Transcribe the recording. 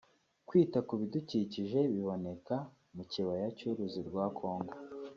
Kwita ku bidukikije biboneka mu Kibaya cy’Uruzi rwa Congo